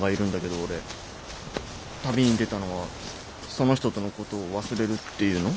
旅に出たのはその人とのことを忘れるっていうの？